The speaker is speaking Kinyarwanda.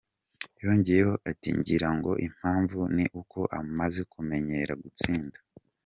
Yongeyeko ati "Ngira ngo impamvu ni uko amaze kumenyera gutsinda.